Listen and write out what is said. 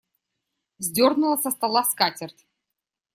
Сдернула со стола скатерть.